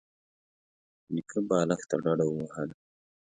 نيکه بالښت ته ډډه ووهله.